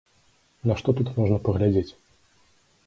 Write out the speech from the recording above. На што тут можна паглядзець?